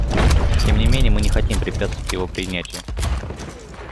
Тем не менее, мы не хотим препятствовать его принятию.